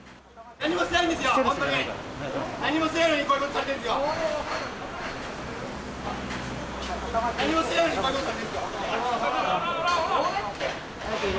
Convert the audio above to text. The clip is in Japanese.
何もしてないんですよ、本当に。